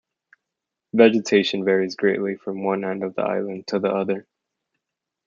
Vegetation varies greatly from one end of the island to the other.